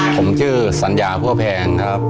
ผมชื่อสัญญาพวกแพงครับ